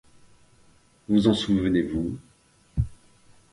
Vous en souvenez-vous ?